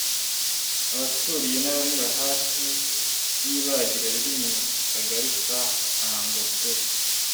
Abaturiye n’abanyura hafi y’ibagiro riri mu kagari ka Rango B